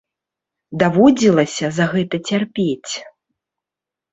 Даводзілася за гэта цярпець?